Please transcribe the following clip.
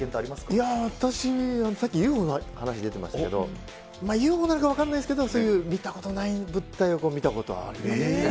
いやー、私、さっきＵＦＯの話出てましたけれども、ＵＦＯなのか分からないですけど、そういう見たことない物体を見たことはありますね。